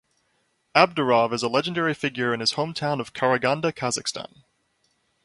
Abdirov is a legendary figure in his hometown of Karaganda, Kazakhstan.